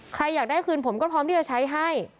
อยากได้คืนผมก็พร้อมที่จะใช้ให้